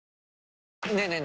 ねえねえ